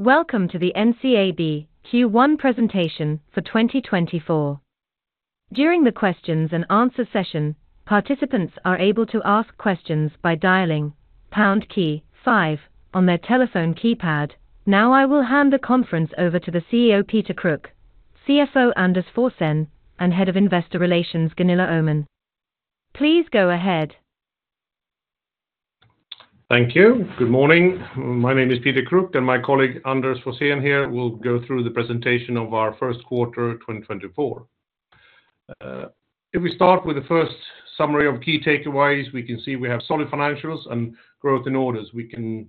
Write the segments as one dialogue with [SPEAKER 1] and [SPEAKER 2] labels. [SPEAKER 1] Welcome to the NCAB Q1 presentation for 2024. During the questions and answers session, participants are able to ask questions by dialing pound key five on their telephone keypad. Now I will hand the conference over to the CEO Peter Kruk, CFO Anders Forsén, and Head of Investor Relations Gunilla Öhman. Please go ahead.
[SPEAKER 2] Thank you. Good morning. My name is Peter Kruk, and my colleague Anders Forsén here will go through the presentation of our First Quarter 2024. If we start with the first summary of key takeaways, we can see we have solid financials and growth in orders. We can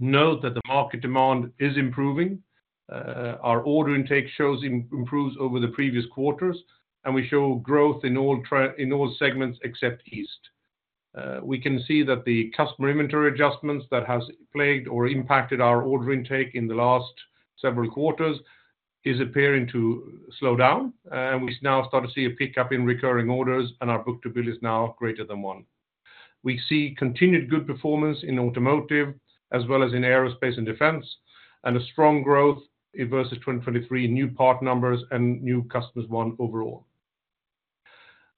[SPEAKER 2] note that the market demand is improving. Our order intake shows improvement over the previous quarters, and we show growth in all segments except East. We can see that the customer inventory adjustments that have plagued or impacted our order intake in the last several quarters is appearing to slow down, and we now start to see a pickup in recurring orders, and our book-to-bill is now greater than 1. We see continued good performance in automotive as well as in aerospace and defense, and a strong growth versus 2023 in new part numbers and new customers won overall.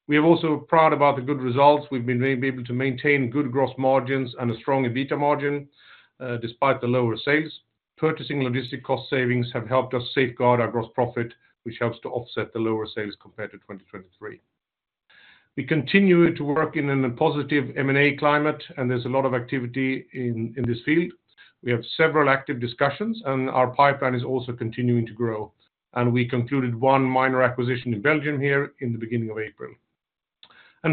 [SPEAKER 2] We are also proud about the good results. We've been able to maintain good gross margins and a strong EBITDA margin despite the lower sales. Purchasing logistics cost savings have helped us safeguard our gross profit, which helps to offset the lower sales compared to 2023. We continue to work in a positive M&A climate, and there's a lot of activity in this field. We have several active discussions, and our pipeline is also continuing to grow. We concluded one minor acquisition in Belgium here in the beginning of April.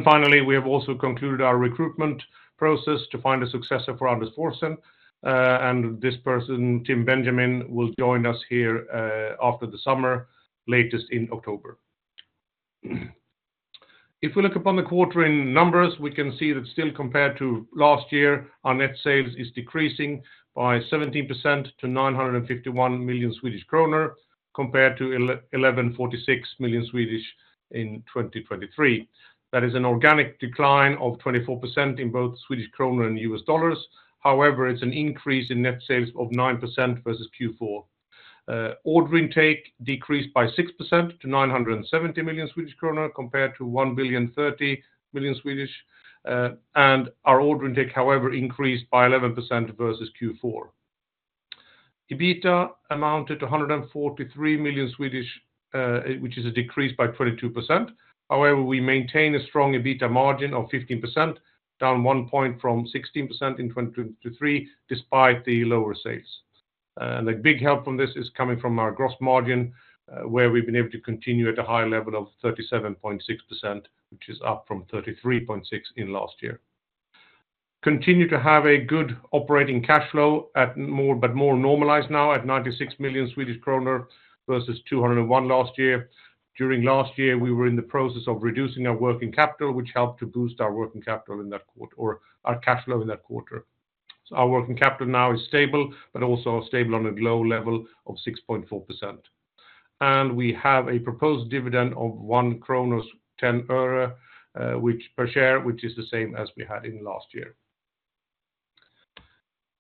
[SPEAKER 2] Finally, we have also concluded our recruitment process to find a successor for Anders Forsén, and this person, Tim Benjamin, will join us here after the summer, latest in October. If we look upon the quarter in numbers, we can see that still compared to last year, our net sales is decreasing by 17% to 951 million Swedish kronor compared to 1,146 million in 2023. That is an organic decline of 24% in both Swedish kronor and U.S. dollars. However, it's an increase in net sales of 9% versus Q4. Order intake decreased by 6% to 970 million Swedish krona compared to 1,030 million, and our order intake, however, increased by 11% versus Q4. EBITDA amounted to 143 million, which is a decrease by 22%. However, we maintain a strong EBITDA margin of 15%, down one point from 16% in 2023 despite the lower sales. A big help from this is coming from our gross margin, where we've been able to continue at a high level of 37.6%, which is up from 33.6% in last year. Continue to have a good operating cash flow at more but more normalized now at 96 million Swedish kronor versus 201 million last year. During last year, we were in the process of reducing our working capital, which helped to boost our working capital in that quarter or our cash flow in that quarter. So our working capital now is stable, but also stable on a low level of 6.4%. And we have a proposed dividend of SEK 1.10 per share, which is the same as we had in last year.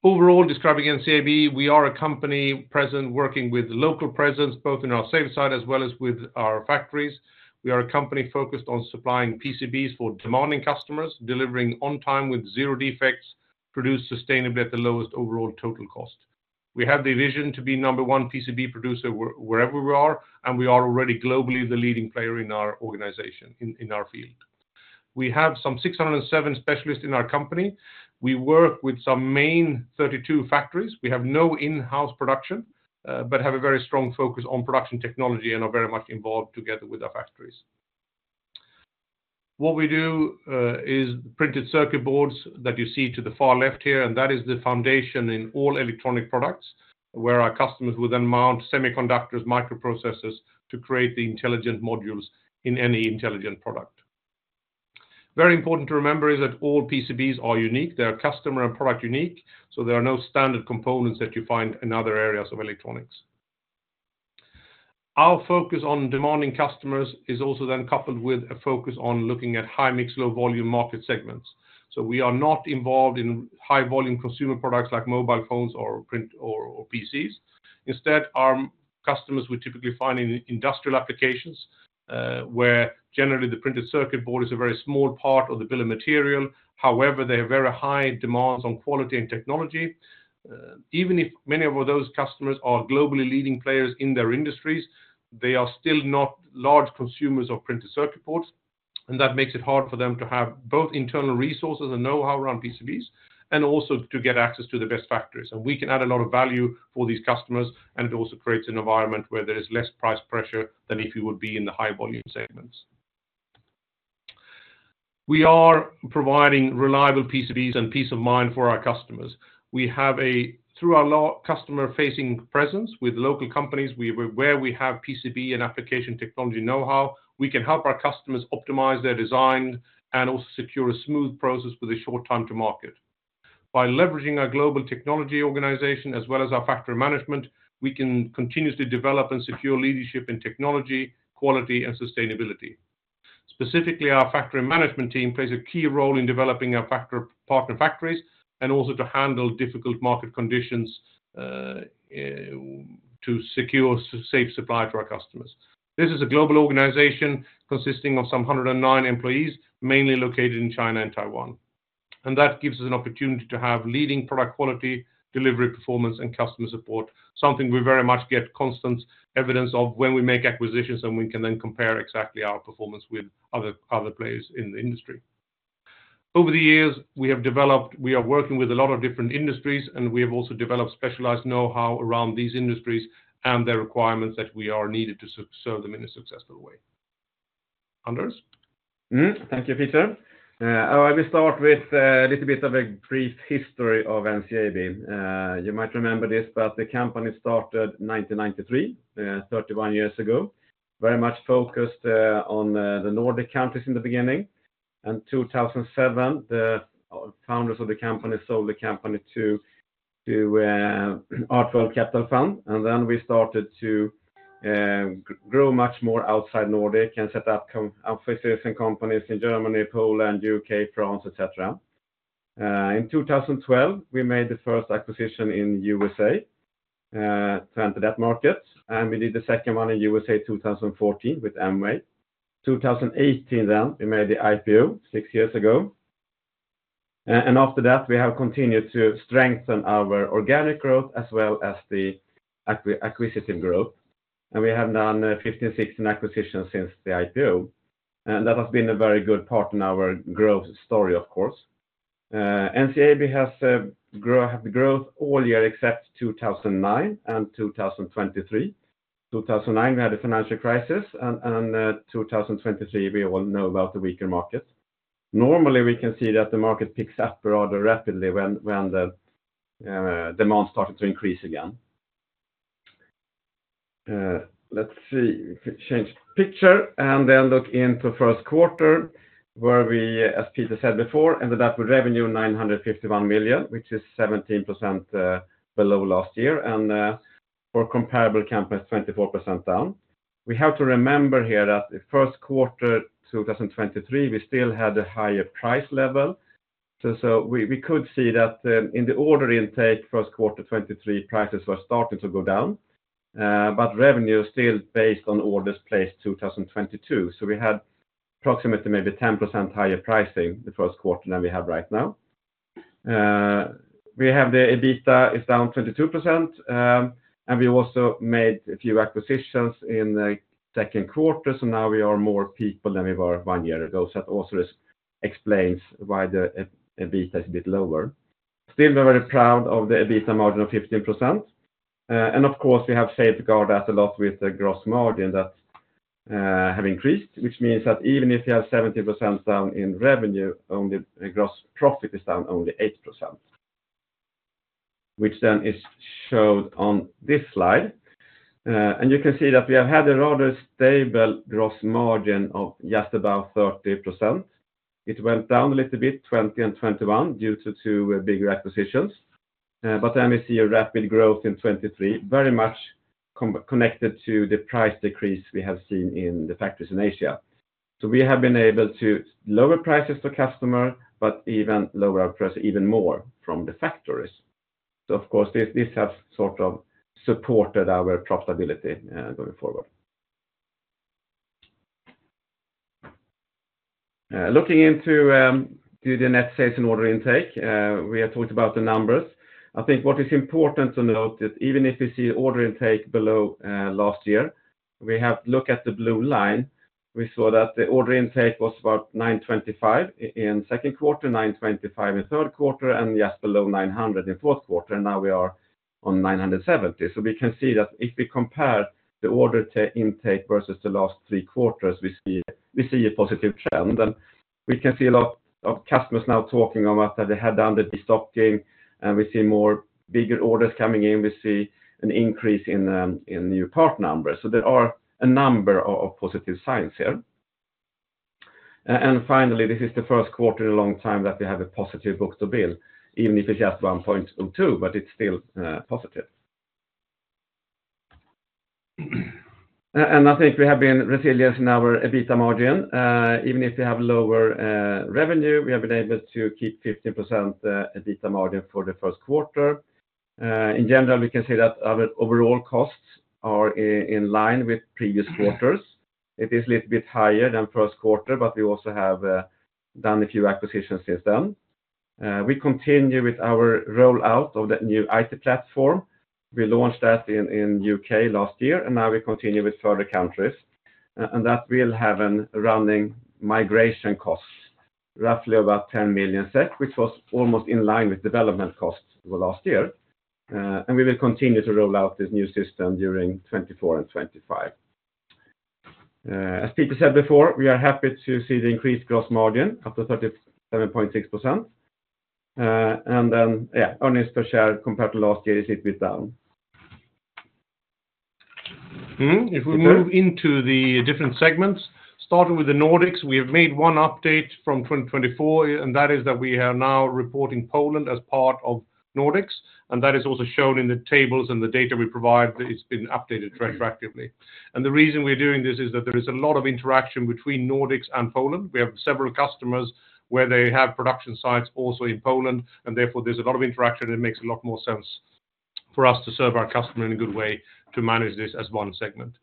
[SPEAKER 2] Overall, describing NCAB, we are a company present working with local presence both in our sales side as well as with our factories. We are a company focused on supplying PCBs for demanding customers, delivering on time with zero defects, produced sustainably at the lowest overall total cost. We have the vision to be number 1 PCB producer wherever we are, and we are already globally the leading player in our organization in our field. We have some 607 specialists in our company. We work with some main 32 factories. We have no in-house production but have a very strong focus on production technology and are very much involved together with our factories. What we do is printed circuit boards that you see to the far left here, and that is the foundation in all electronic products where our customers will then mount semiconductors, microprocessors to create the intelligent modules in any intelligent product. Very important to remember is that all PCBs are unique. They are customer and product unique, so there are no standard components that you find in other areas of electronics. Our focus on demanding customers is also then coupled with a focus on looking at high-mix, low-volume market segments. So we are not involved in high-volume consumer products like mobile phones or PCs. Instead, our customers we typically find in industrial applications where generally the printed circuit board is a very small part of the bill of material. However, they have very high demands on quality and technology. Even if many of those customers are globally leading players in their industries, they are still not large consumers of printed circuit boards, and that makes it hard for them to have both internal resources and know-how around PCBs and also to get access to the best factories. And we can add a lot of value for these customers, and it also creates an environment where there is less price pressure than if you would be in the high-volume segments. We are providing reliable PCBs and peace of mind for our customers. We have, through our customer-facing presence with local companies where we have PCB and application technology know-how, we can help our customers optimize their design and also secure a smooth process with a short time to market. By leveraging our global technology organization as well as our factory management, we can continuously develop and secure leadership in technology, quality, and sustainability. Specifically, our factory management team plays a key role in developing our partner factories and also to handle difficult market conditions to secure safe supply to our customers. This is a global organization consisting of some 109 employees, mainly located in China and Taiwan, and that gives us an opportunity to have leading product quality, delivery performance, and customer support, something we very much get constant evidence of when we make acquisitions and we can then compare exactly our performance with other players in the industry. Over the years, we are working with a lot of different industries, and we have also developed specialized know-how around these industries and their requirements that we need to serve them in a successful way. Anders?
[SPEAKER 3] Thank you, Peter. I will start with a little bit of a brief history of NCAB. You might remember this, but the company started 1993, 31 years ago, very much focused on the Nordic countries in the beginning. In 2007, the founders of the company sold the company to R12 Capital Fund, and then we started to grow much more outside Nordic and set up offices and companies in Germany, Poland, U.K., France, etc. In 2012, we made the first acquisition in the USA to enter that market, and we did the second one in the USA in 2014 with M-Wave. In 2018, then, we made the IPO 6 years ago. And after that, we have continued to strengthen our organic growth as well as the acquisitive growth, and we have done 15, 16 acquisitions since the IPO. And that has been a very good part in our growth story, of course. NCAB has had growth all year except 2009 and 2023. In 2009, we had the financial crisis, and in 2023, we all know about the weaker market. Normally, we can see that the market picks up rather rapidly when the demand started to increase again. Let's see. Change picture and then look into first quarter where we, as Peter said before, ended up with revenue 951 million, which is 17% below last year, and for comparable companies, 24% down. We have to remember here that the first quarter 2023, we still had a higher price level. So we could see that in the order intake, first quarter 2023, prices were starting to go down, but revenue still based on orders placed in 2022. So we had approximately maybe 10% higher pricing the first quarter than we have right now. We have the EBITDA is down 22%, and we also made a few acquisitions in the second quarter. So now we are more people than we were one year ago. So that also explains why the EBITDA is a bit lower. Still, we're very proud of the EBITDA margin of 15%. And of course, we have safeguarded that a lot with the gross margin that has increased, which means that even if you have 17% down in revenue, only gross profit is down only 8%, which then is showed on this slide. And you can see that we have had a rather stable gross margin of just about 30%. It went down a little bit, 2020 and 2021, due to bigger acquisitions. But then we see a rapid growth in 2023, very much connected to the price decrease we have seen in the factories in Asia. So we have been able to lower prices to customers, but even lower our prices even more from the factories. So of course, this has sort of supported our profitability going forward. Looking into the net sales and order intake, we have talked about the numbers. I think what is important to note is that even if we see order intake below last year, we have looked at the blue line. We saw that the order intake was about 925 in second quarter, 925 in third quarter, and yes, below 900 in fourth quarter. And now we are on 970. So we can see that if we compare the order intake versus the last three quarters, we see a positive trend. We can see a lot of customers now talking about that they had done the destocking, and we see bigger orders coming in. We see an increase in new part numbers. So there are a number of positive signs here. And finally, this is the first quarter in a long time that we have a positive book-to-bill, even if it's just 1.02, but it's still positive. And I think we have been resilient in our EBITDA margin. Even if we have lower revenue, we have been able to keep 15% EBITDA margin for the first quarter. In general, we can see that our overall costs are in line with previous quarters. It is a little bit higher than first quarter, but we also have done a few acquisitions since then. We continue with our rollout of the new IT platform. We launched that in the U.K. last year, and now we continue with further countries. That will have a running migration cost, roughly about 10 million, which was almost in line with development costs last year. We will continue to roll out this new system during 2024 and 2025. As Peter said before, we are happy to see the increased gross margin after 37.6%. Then, yeah, earnings per share compared to last year is a little bit down. If we move into the different segments, starting with the Nordics, we have made one update from 2024, and that is that we are now reporting Poland as part of Nordics. And that is also shown in the tables and the data we provide that it's been updated retroactively. And the reason we're doing this is that there is a lot of interaction between Nordics and Poland. We have several customers where they have production sites also in Poland, and therefore there's a lot of interaction, and it makes a lot more sense for us to serve our customer in a good way to manage this as one segment.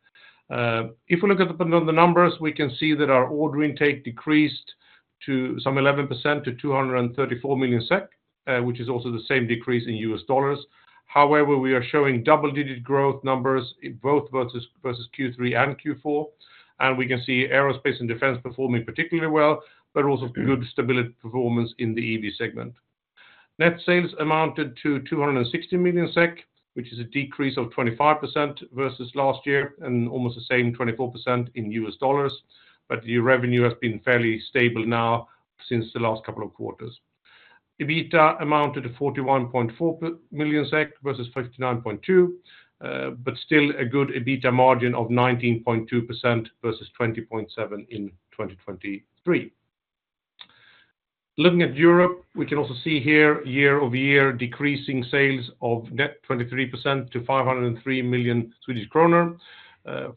[SPEAKER 3] If we look at the numbers, we can see that our order intake decreased to some 11% to 234 million SEK, which is also the same decrease in US dollars. However, we are showing double-digit growth numbers both versus Q3 and Q4. We can see aerospace and defense performing particularly well, but also good stability performance in the EV segment. Net sales amounted to 260 million SEK, which is a decrease of 25% versus last year and almost the same 24% in U.S. dollars. The revenue has been fairly stable now since the last couple of quarters. EBITDA amounted to 41.4 million SEK versus 59.2, but still a good EBITDA margin of 19.2% versus 20.7% in 2023. Looking at Europe, we can also see here year-over-year decreasing sales of net 23% to 503 million Swedish kronor.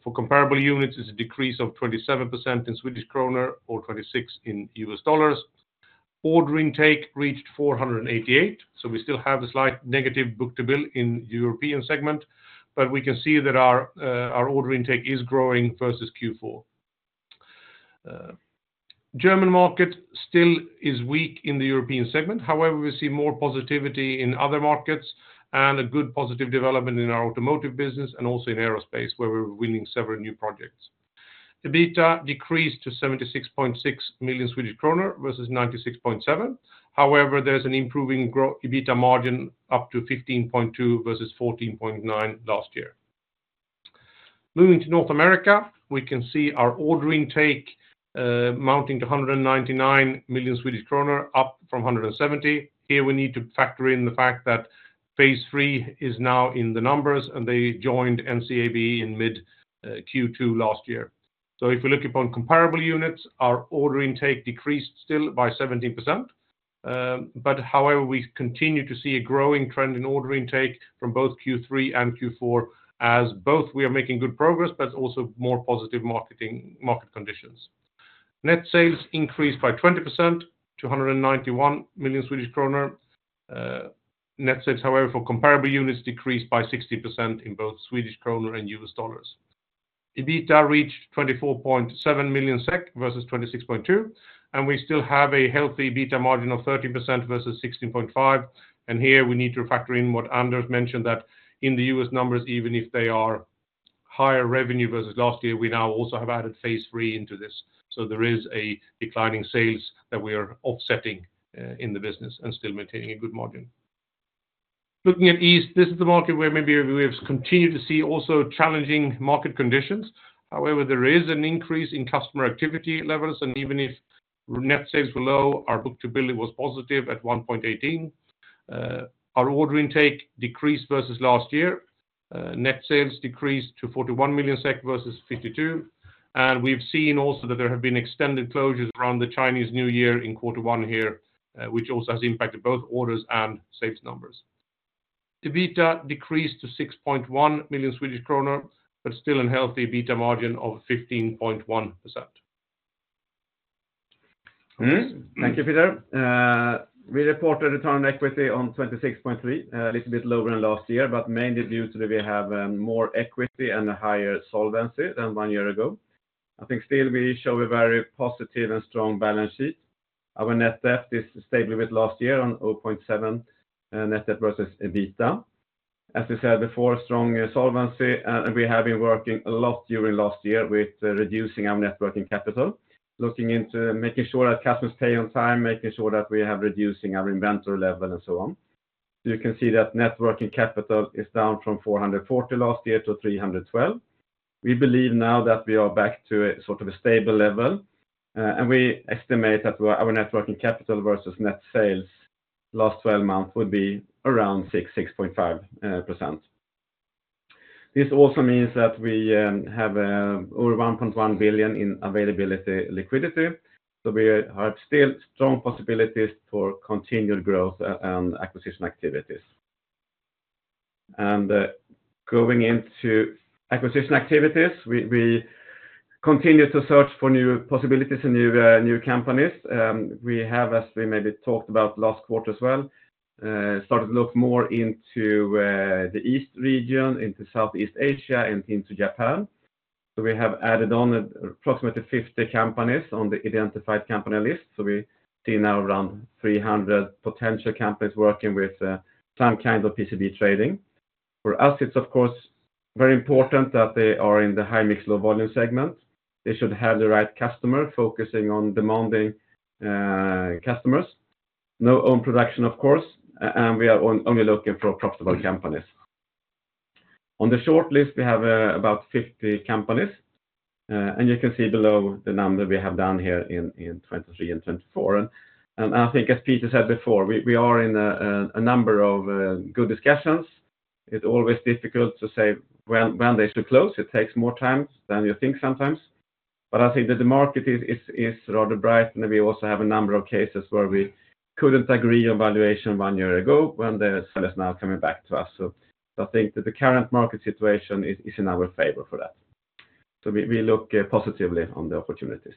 [SPEAKER 3] For comparable units, it's a decrease of 27% in SEK or 26% in U.S. dollars. Order intake reached 488 million, so we still have a slight negative book-to-bill in the European segment, but we can see that our order intake is growing versus Q4. German market still is weak in the European segment. However, we see more positivity in other markets and a good positive development in our automotive business and also in aerospace where we're winning several new projects. EBITDA decreased to 76.6 million Swedish kronor versus 96.7 million. However, there's an improving EBITDA margin up to 15.2% versus 14.9% last year. Moving to North America, we can see our order intake amounting to 199 million Swedish kronor, up from 170 million. Here, we need to factor in the fact that Phase 3 is now in the numbers, and they joined NCAB in mid-Q2 last year. So if we look upon comparable units, our order intake decreased still by 17%. However, we continue to see a growing trend in order intake from both Q3 and Q4 as both we are making good progress but also more positive market conditions. Net sales increased by 20% to 191 million Swedish kronor. Net sales, however, for comparable units decreased by 60% in both Swedish kronor and US dollars. EBITDA reached 24.7 million SEK versus 26.2 million SEK, and we still have a healthy EBITDA margin of 13% versus 16.5%. And here, we need to factor in what Anders mentioned, that in the US numbers, even if they are higher revenue versus last year, we now also have added Phase 3 into this. So there is a declining sales that we are offsetting in the business and still maintaining a good margin. Looking at East, this is the market where maybe we have continued to see also challenging market conditions.
[SPEAKER 2] However, there is an increase in customer activity levels, and even if net sales were low, our book-to-bill was positive at 1.18%. Our order intake decreased versus last year. Net sales decreased to 41 million SEK versus 52 million. We've seen also that there have been extended closures around the Chinese New Year in quarter one here, which also has impacted both orders and sales numbers. EBITDA decreased to 6.1 million Swedish krona, but still a healthy EBITDA margin of 15.1%.
[SPEAKER 3] Thank you, Peter. We reported return on equity on 26.3%, a little bit lower than last year, but mainly due to the fact that we have more equity and a higher solvency than one year ago. I think still we show a very positive and strong balance sheet. Our net debt is stable with last year on 0.7% net debt versus EBITDA. As we said before, strong solvency, and we have been working a lot during last year with reducing our working capital, looking into making sure that customers pay on time, making sure that we have reduced our inventory level and so on. You can see that working capital is down from 440 last year to 312. We believe now that we are back to sort of a stable level, and we estimate that our working capital versus net sales last 12 months would be around 6%-6.5%. This also means that we have over 1.1 billion in available liquidity. So we have still strong possibilities for continued growth and acquisition activities. And going into acquisition activities, we continue to search for new possibilities and new companies. We have, as we maybe talked about last quarter as well, started to look more into the east region, into Southeast Asia, and into Japan. So we have added on approximately 50 companies on the identified company list. So we see now around 300 potential companies working with some kind of PCB trading. For us, it's, of course, very important that they are in the high-mix, low-volume segment. They should have the right customer, focusing on demanding customers. No own production, of course, and we are only looking for profitable companies. On the short list, we have about 50 companies, and you can see below the number we have done here in 2023 and 2024. I think, as Peter said before, we are in a number of good discussions. It's always difficult to say when they should close. It takes more time than you think sometimes. But I think that the market is rather bright, and we also have a number of cases where we couldn't agree on valuation one year ago when the seller is now coming back to us. So I think that the current market situation is in our favor for that. So we look positively on the opportunities.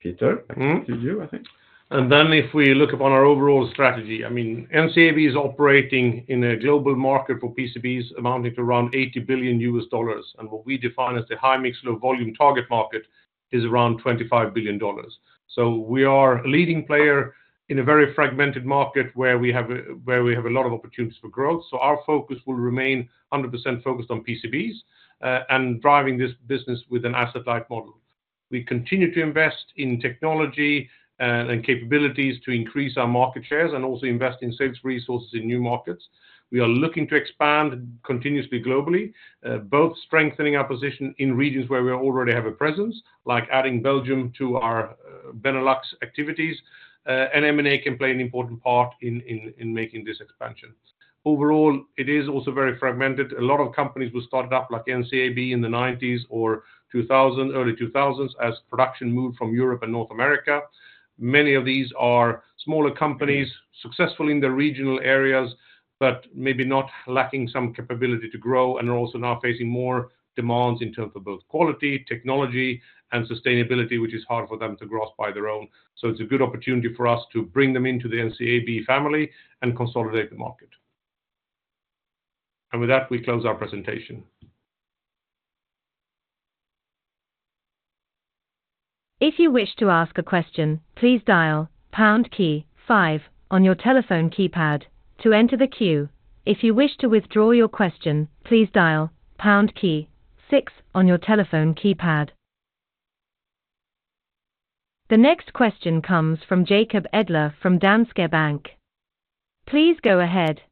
[SPEAKER 3] Peter, back to you, I think.
[SPEAKER 2] If we look upon our overall strategy, I mean, NCAB is operating in a global market for PCBs amounting to around $80 billion. What we define as the high-mix, low-volume target market is around $25 billion. We are a leading player in a very fragmented market where we have a lot of opportunities for growth. Our focus will remain 100% focused on PCBs and driving this business with an asset-light model. We continue to invest in technology and capabilities to increase our market shares and also invest in sales resources in new markets. We are looking to expand continuously globally, both strengthening our position in regions where we already have a presence, like adding Belgium to our Benelux activities. M&A can play an important part in making this expansion. Overall, it is also very fragmented. A lot of companies were started up like NCAB in the 1990s or early 2000s as production moved from Europe and North America. Many of these are smaller companies, successful in their regional areas, but maybe not lacking some capability to grow, and are also now facing more demands in terms of both quality, technology, and sustainability, which is hard for them to grasp by their own. It's a good opportunity for us to bring them into the NCAB family and consolidate the market. With that, we close our presentation.
[SPEAKER 1] If you wish to ask a question, please dial pound key 5 on your telephone keypad to enter the queue. If you wish to withdraw your question, please dial pound key 6 on your telephone keypad. The next question comes from Jacob Edler from Danske Bank. Please go ahead.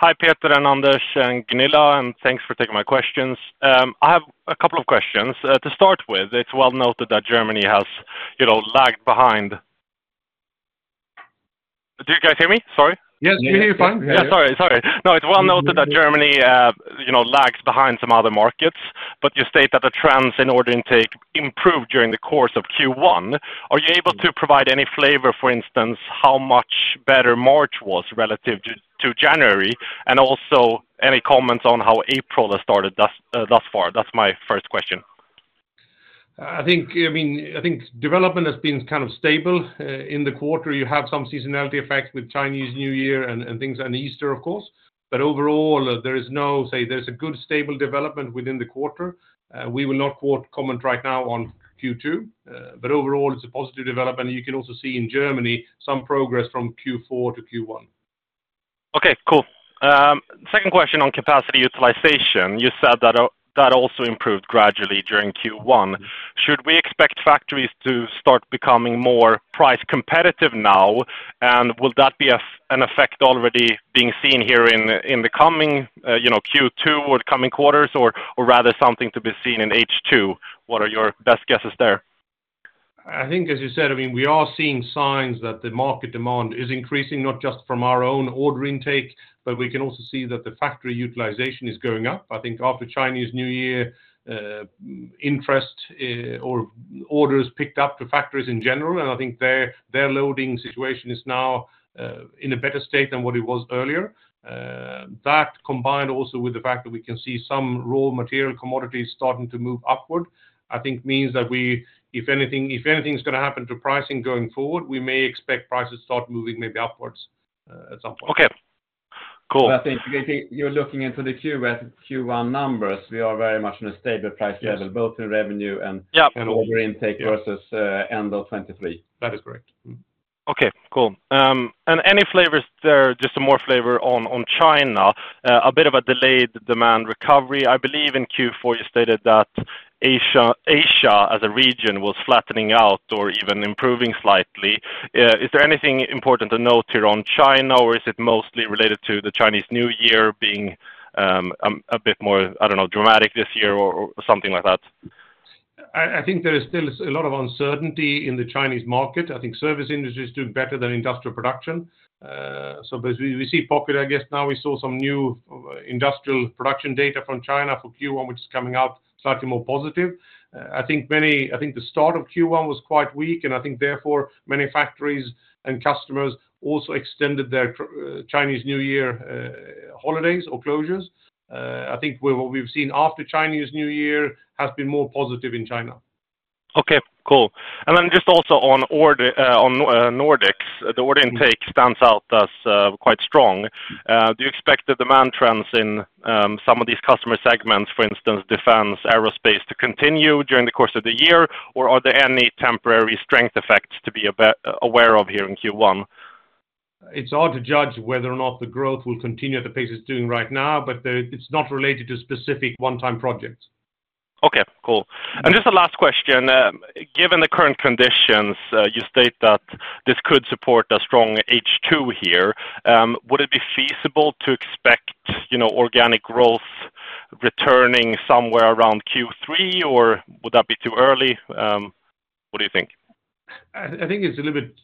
[SPEAKER 4] Hi, Peter, Anders, and Gunilla, and thanks for taking my questions. I have a couple of questions. To start with, it's well noted that Germany has lagged behind. Do you guys hear me? Sorry.
[SPEAKER 2] Yes, we hear you fine.
[SPEAKER 4] Yeah, sorry, sorry. No, it's well noted that Germany lags behind some other markets, but you state that the trends in order intake improved during the course of Q1. Are you able to provide any flavor, for instance, how much better March was relative to January, and also any comments on how April has started thus far? That's my first question.
[SPEAKER 2] I think development has been kind of stable in the quarter. You have some seasonality effects with Chinese New Year and things and Easter, of course. But overall, there is no say, there's a good stable development within the quarter. We will not quote comment right now on Q2, but overall, it's a positive development. You can also see in Germany some progress from Q4 to Q1.
[SPEAKER 4] Okay, cool. Second question on capacity utilization. You said that also improved gradually during Q1. Should we expect factories to start becoming more price competitive now, and will that be an effect already being seen here in the coming Q2 or coming quarters, or rather something to be seen in H2? What are your best guesses there?
[SPEAKER 2] I think, as you said, I mean, we are seeing signs that the market demand is increasing not just from our own order intake, but we can also see that the factory utilization is going up. I think after Chinese New Year, interest or orders picked up to factories in general, and I think their loading situation is now in a better state than what it was earlier. That combined also with the fact that we can see some raw material commodities starting to move upward, I think means that if anything's going to happen to pricing going forward, we may expect prices to start moving maybe upwards at some point.
[SPEAKER 4] Okay, cool.
[SPEAKER 3] Nothing. You're looking into the Q1 numbers. We are very much in a stable price level, both in revenue and order intake versus end of 2023.
[SPEAKER 4] That is correct. Okay, cool. Any flavors there, just some more flavor on China, a bit of a delayed demand recovery. I believe in Q4 you stated that Asia as a region was flattening out or even improving slightly. Is there anything important to note here on China, or is it mostly related to the Chinese New Year being a bit more, I don't know, dramatic this year or something like that?
[SPEAKER 2] I think there is still a lot of uncertainty in the Chinese market. I think service industry is doing better than industrial production. So we see pocket, I guess now we saw some new industrial production data from China for Q1, which is coming out slightly more positive. I think the start of Q1 was quite weak, and I think therefore many factories and customers also extended their Chinese New Year holidays or closures. I think what we've seen after Chinese New Year has been more positive in China.
[SPEAKER 4] Okay, cool. And then just also on Nordics, the order intake stands out as quite strong. Do you expect the demand trends in some of these customer segments, for instance, defense, aerospace, to continue during the course of the year, or are there any temporary strength effects to be aware of here in Q1?
[SPEAKER 2] It's hard to judge whether or not the growth will continue at the pace it's doing right now, but it's not related to specific one-time projects.
[SPEAKER 4] Okay, cool. Just the last question. Given the current conditions, you state that this could support a strong H2 here. Would it be feasible to expect organic growth returning somewhere around Q3, or would that be too early? What do you think?
[SPEAKER 2] I think it's a little bit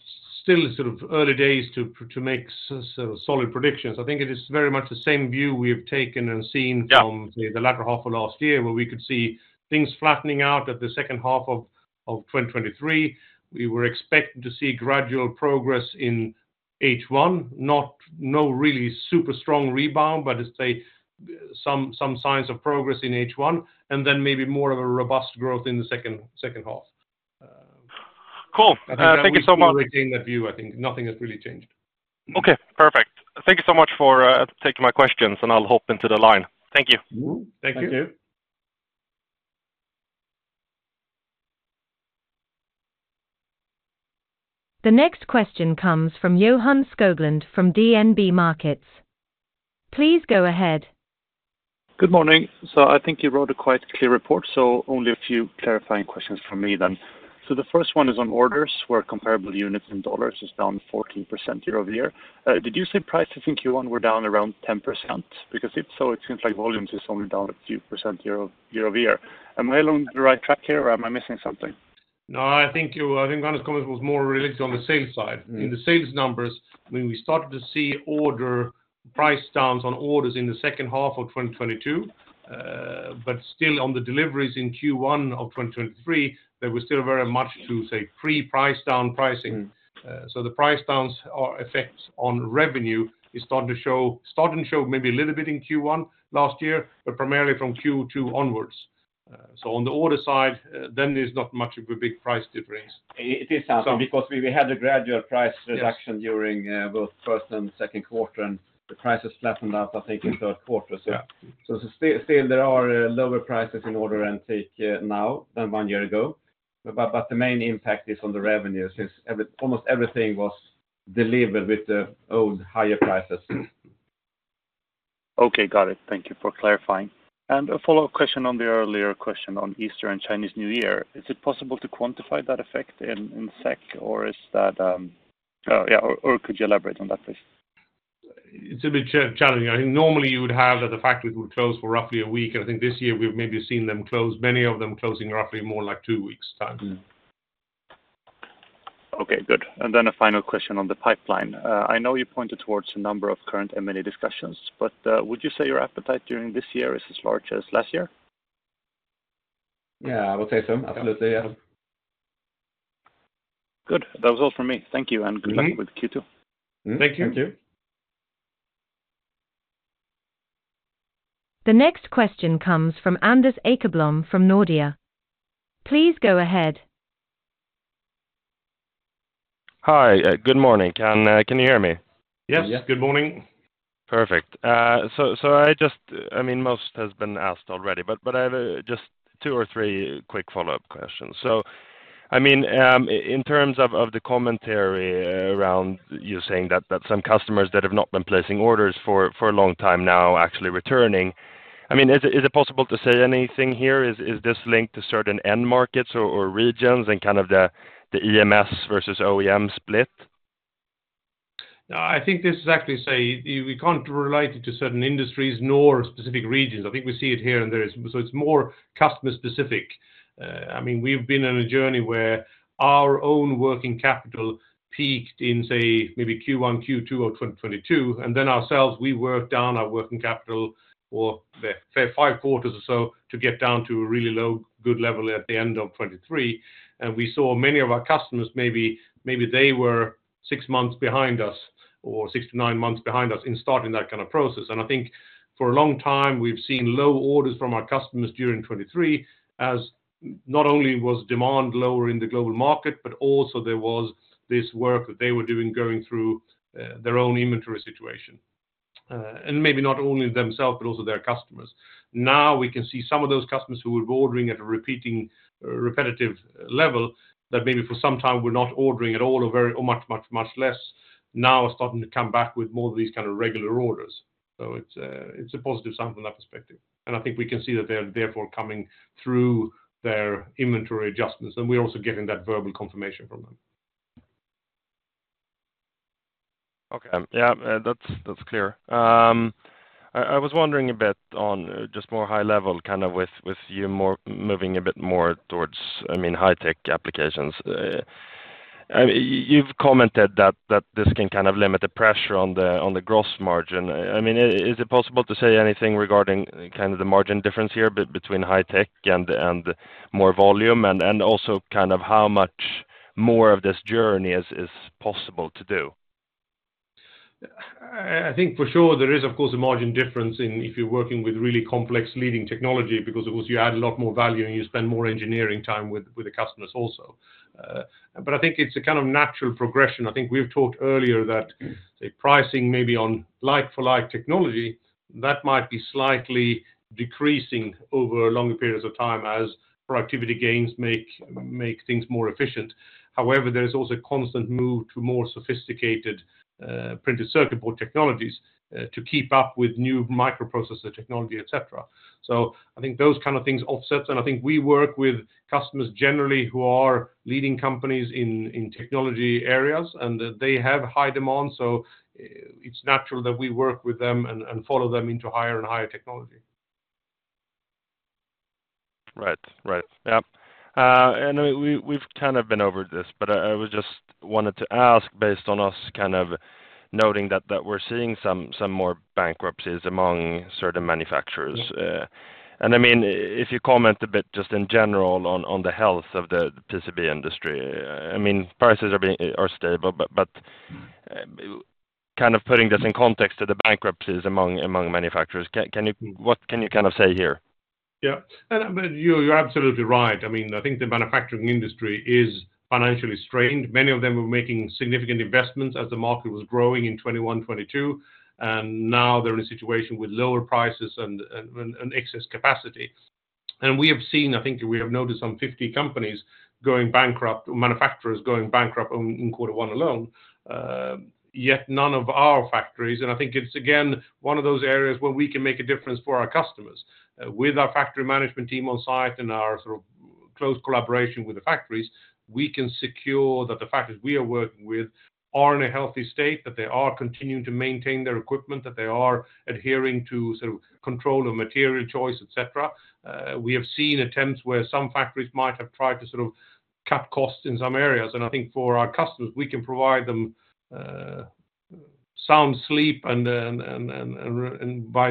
[SPEAKER 2] still sort of early days to make sort of solid predictions. I think it is very much the same view we have taken and seen from the latter half of last year, where we could see things flattening out at the second half of 2023. We were expecting to see gradual progress in H1, not no really super strong rebound, but let's say some signs of progress in H1, and then maybe more of a robust growth in the second half.
[SPEAKER 4] Cool. Thank you so much.
[SPEAKER 2] I think we're maintaining that view. I think nothing has really changed.
[SPEAKER 4] Okay, perfect. Thank you so much for taking my questions, and I'll hop into the line. Thank you.
[SPEAKER 2] Thank you.
[SPEAKER 3] Thank you.
[SPEAKER 1] The next question comes from Johan Skoglund from DNB Markets. Please go ahead.
[SPEAKER 5] Good morning. So I think you wrote a quite clear report, so only a few clarifying questions from me then. So the first one is on orders where comparable units in dollars is down 14% year-over-year. Did you say prices in Q1 were down around 10%? Because if so, it seems like volume is only down a few % year-over-year. Am I along the right track here, or am I missing something?
[SPEAKER 2] No, I think Johan's comment was more related on the sales side. In the sales numbers, I mean, we started to see price downs on orders in the second half of 2022, but still on the deliveries in Q1 of 2023, there was still very much to say pre-price down pricing. So the price downs effects on revenue is starting to show maybe a little bit in Q1 last year, but primarily from Q2 onwards. So on the order side, then there's not much of a big price difference.
[SPEAKER 3] It is something because we had a gradual price reduction during both first and second quarter, and the prices flattened out, I think, in third quarter. Still, there are lower prices in order intake now than one year ago, but the main impact is on the revenue since almost everything was delivered with the old higher prices.
[SPEAKER 5] Okay, got it. Thank you for clarifying. And a follow-up question on the earlier question on Easter and Chinese New Year. Is it possible to quantify that effect in SEK, or is that yeah, or could you elaborate on that, please?
[SPEAKER 2] It's a bit challenging. I think normally you would have that the factories would close for roughly a week, and I think this year we've maybe seen them close, many of them closing roughly more like two weeks' time.
[SPEAKER 5] Okay, good. And then a final question on the pipeline. I know you pointed towards a number of current M&A discussions, but would you say your appetite during this year is as large as last year?
[SPEAKER 3] Yeah, I would say so. Absolutely, yes.
[SPEAKER 5] Good. That was all from me. Thank you, and good luck with Q2.
[SPEAKER 2] Thank you.
[SPEAKER 3] Thank you.
[SPEAKER 1] The next question comes from Anders Åkerblom from Nordea. Please go ahead.
[SPEAKER 6] Hi, good morning. Can you hear me?
[SPEAKER 2] Yes, good morning.
[SPEAKER 6] Perfect. I mean, most has been asked already, but I have just two or three quick follow-up questions. I mean, in terms of the commentary around you saying that some customers that have not been placing orders for a long time now actually returning, is it possible to say anything here? Is this linked to certain end markets or regions and kind of the EMS versus OEM split?
[SPEAKER 2] No, I think this is actually, say, we can't relate it to certain industries nor specific regions. I think we see it here and there. It's more customer-specific. I mean, we've been on a journey where our own working capital peaked in, say, maybe Q1, Q2 of 2022, and then ourselves, we worked down our working capital for five quarters or so to get down to a really low good level at the end of 2023. We saw many of our customers, maybe they were six months behind us or six to nine months behind us in starting that kind of process. And I think for a long time, we've seen low orders from our customers during 2023 as not only was demand lower in the global market, but also there was this work that they were doing going through their own inventory situation, and maybe not only themselves, but also their customers. Now we can see some of those customers who were ordering at a repetitive level that maybe for some time were not ordering at all or much, much, much less now are starting to come back with more of these kind of regular orders. So it's a positive sign from that perspective. I think we can see that they're therefore coming through their inventory adjustments, and we're also getting that verbal confirmation from them.
[SPEAKER 6] Okay, yeah, that's clear. I was wondering a bit on just more high level kind of with you moving a bit more towards, I mean, high-tech applications. You've commented that this can kind of limit the pressure on the gross margin. I mean, is it possible to say anything regarding kind of the margin difference here between high-tech and more volume and also kind of how much more of this journey is possible to do?
[SPEAKER 2] I think for sure there is, of course, a margin difference if you're working with really complex leading technology because, of course, you add a lot more value and you spend more engineering time with the customers also. But I think it's a kind of natural progression. I think we've talked earlier that, say, pricing maybe on like-for-like technology, that might be slightly decreasing over longer periods of time as productivity gains make things more efficient. However, there is also a constant move to more sophisticated printed circuit board technologies to keep up with new microprocessor technology, etc. So I think those kind of things offset, and I think we work with customers generally who are leading companies in technology areas, and they have high demand. So it's natural that we work with them and follow them into higher and higher technology.
[SPEAKER 6] Right, right. Yeah. I mean, we've kind of been over this, but I just wanted to ask based on us kind of noting that we're seeing some more bankruptcies among certain manufacturers. I mean, if you comment a bit just in general on the health of the PCB industry, I mean, prices are stable, but kind of putting this in context to the bankruptcies among manufacturers, what can you kind of say here?
[SPEAKER 2] Yeah, but you're absolutely right. I mean, I think the manufacturing industry is financially strained. Many of them were making significant investments as the market was growing in 2021, 2022, and now they're in a situation with lower prices and excess capacity. And we have seen, I think we have noticed some 50 companies going bankrupt, manufacturers going bankrupt in quarter one alone. Yet none of our factories, and I think it's, again, one of those areas where we can make a difference for our customers. With our factory management team on site and our sort of close collaboration with the factories, we can secure that the factories we are working with are in a healthy state, that they are continuing to maintain their equipment, that they are adhering to sort of control of material choice, etc. We have seen attempts where some factories might have tried to sort of cut costs in some areas. I think for our customers, we can provide them sound sleep by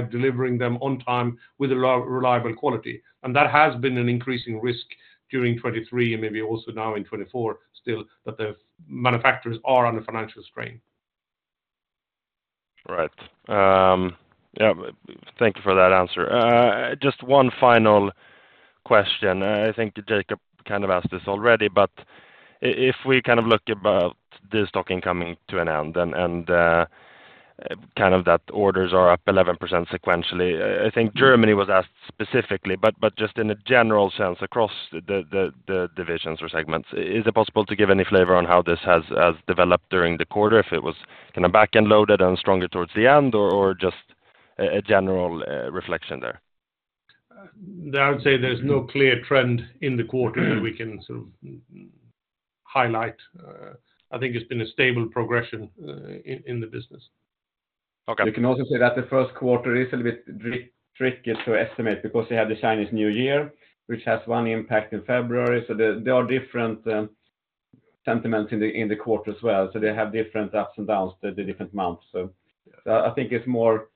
[SPEAKER 2] delivering them on time with a reliable quality. That has been an increasing risk during 2023 and maybe also now in 2024 still, that the manufacturers are under financial strain.
[SPEAKER 6] Right. Yeah, thank you for that answer. Just one final question. I think Jacob kind of asked this already, but if we kind of look about this talking coming to an end and kind of that orders are up 11% sequentially, I think Germany was asked specifically, but just in a general sense across the divisions or segments, is it possible to give any flavor on how this has developed during the quarter, if it was kind of back-end loaded and stronger towards the end, or just a general reflection there?
[SPEAKER 7] I would say there's no clear trend in the quarter that we can sort of highlight. I think it's been a stable progression in the business.
[SPEAKER 3] You can also say that the first quarter is a little bit tricky to estimate because they had the Chinese New Year, which has one impact in February. There are different sentiments in the quarter as well. They have different ups and downs the different months. I think it's more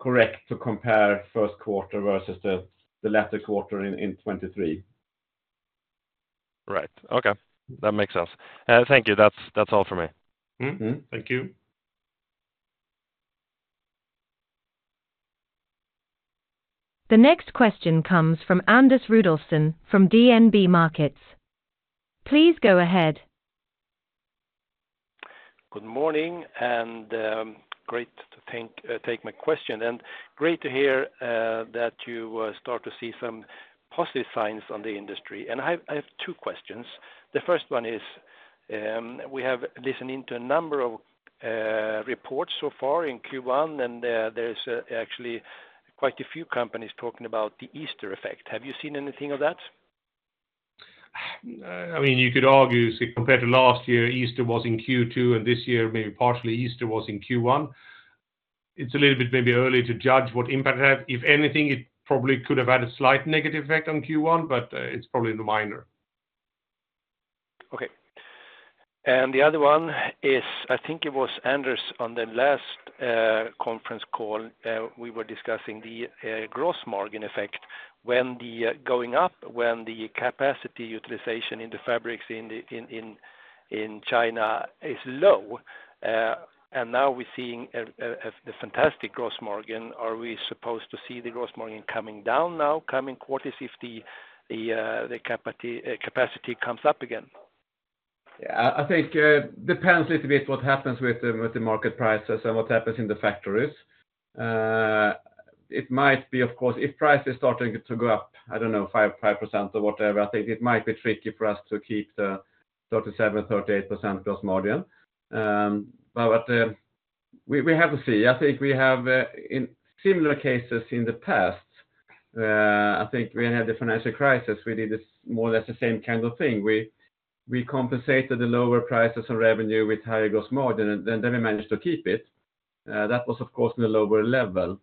[SPEAKER 3] correct to compare first quarter versus the latter quarter in 2023.
[SPEAKER 6] Right. Okay, that makes sense. Thank you. That's all from me.
[SPEAKER 7] Thank you.
[SPEAKER 1] The next question comes from Anders Rudolfsson from DNB Markets. Please go ahead.
[SPEAKER 7] Good morning, and great to take my question. Great to hear that you start to see some positive signs on the industry. I have two questions. The first one is we have listened into a number of reports so far in Q1, and there's actually quite a few companies talking about the Easter effect. Have you seen anything of that?
[SPEAKER 2] I mean, you could argue compared to last year, Easter was in Q2, and this year maybe partially Easter was in Q1. It's a little bit maybe early to judge what impact it had. If anything, it probably could have had a slight negative effect on Q1, but it's probably not minor.
[SPEAKER 7] Okay. The other one is I think it was Anders on the last conference call. We were discussing the gross margin effect when it's going up when the capacity utilization in the factories in China is low, and now we're seeing the fantastic gross margin. Are we supposed to see the gross margin coming down in the coming quarters if the capacity utilization comes up again?
[SPEAKER 2] Yeah, I think it depends a little bit what happens with the market prices and what happens in the factories. It might be, of course, if prices start to go up, I don't know, 5% or whatever, I think it might be tricky for us to keep the 37%-38% gross margin. But we have to see. I think we have in similar cases in the past, I think we had the financial crisis, we did more or less the same kind of thing. We compensated the lower prices and revenue with higher gross margin, and then we managed to keep it. That was, of course, in the lower level.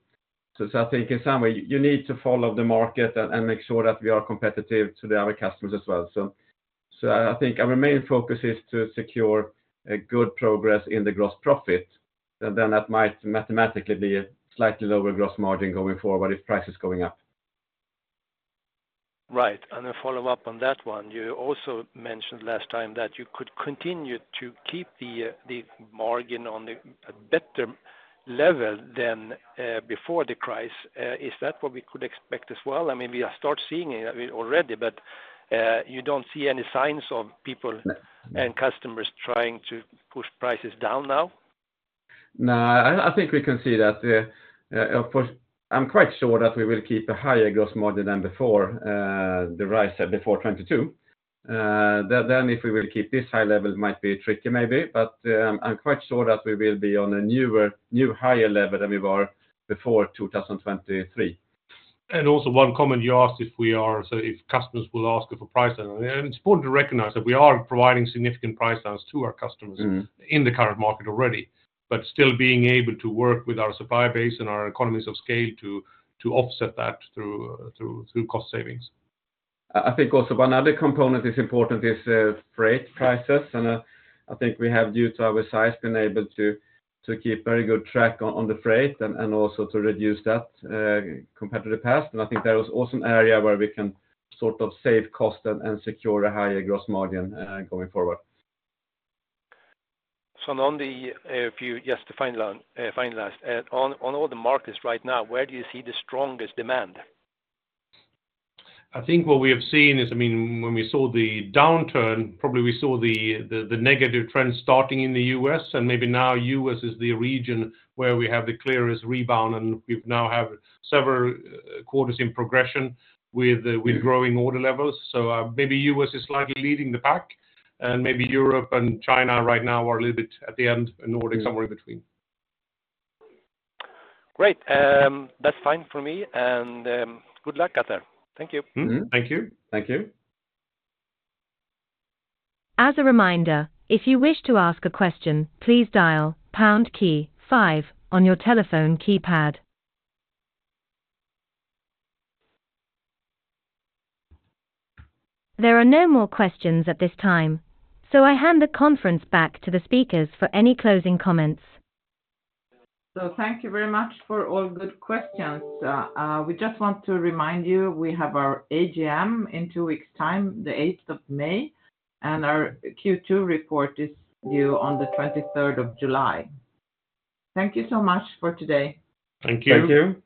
[SPEAKER 2] So I think in some way, you need to follow the market and make sure that we are competitive to the other customers as well. So I think our main focus is to secure good progress in the gross profit. Then that might mathematically be a slightly lower gross margin going forward if prices going up.
[SPEAKER 7] Right. And to follow up on that one, you also mentioned last time that you could continue to keep the margin on a better level than before the crisis. Is that what we could expect as well? I mean, we start seeing it already, but you don't see any signs of people and customers trying to push prices down now?
[SPEAKER 2] No, I think we can see that. Of course, I'm quite sure that we will keep a higher gross margin than before the rise before 2022. Then if we will keep this high level, it might be tricky maybe, but I'm quite sure that we will be on a newer, new higher level than we were before 2023.
[SPEAKER 3] Also one comment you asked if we are so if customers will ask us for price down. It's important to recognize that we are providing significant price downs to our customers in the current market already, but still being able to work with our supply base and our economies of scale to offset that through cost savings.
[SPEAKER 2] I think also one other component that's important is freight prices. I think we have, due to our size, been able to keep very good track on the freight and also to reduce that compared to the past. I think that was also an area where we can sort of save costs and secure a higher gross margin going forward.
[SPEAKER 7] So, on the whole, just to finalize, on all the markets right now, where do you see the strongest demand?
[SPEAKER 2] I think what we have seen is, I mean, when we saw the downturn, probably we saw the negative trend starting in the U.S., and maybe now U.S. is the region where we have the clearest rebound, and we've now had several quarters in progression with growing order levels. So maybe U.S. is slightly leading the pack, and maybe Europe and China right now are a little bit at the end and Nordic somewhere in between.
[SPEAKER 7] Great. That's fine for me. Good luck, Peter. Thank you.
[SPEAKER 2] Thank you.
[SPEAKER 3] Thank you.
[SPEAKER 1] As a reminder, if you wish to ask a question, please dial pound key five on your telephone keypad. There are no more questions at this time, so I hand the conference back to the speakers for any closing comments.
[SPEAKER 8] Thank you very much for all good questions. We just want to remind you we have our AGM in two weeks' time, the 8th of May, and our Q2 report is due on the 23rd of July. Thank you so much for today.
[SPEAKER 2] Thank you.
[SPEAKER 3] Thank you.